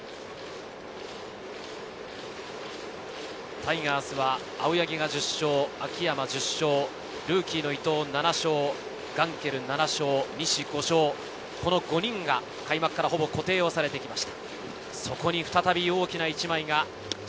タイガースは青柳が１０勝、秋山が１０勝、ルーキーの伊藤が７勝、ガンケルが７勝、西が５勝、この５人が開幕からほぼ固定されてきました。